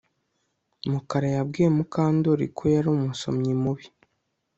Mukara yabwiye Mukandoli ko yari umusomyi mubi